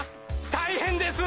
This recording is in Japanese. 大変です！